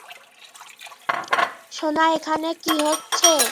সোনা, এখানে কী হচ্ছে?